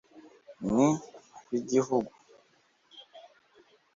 ni ab’igihugu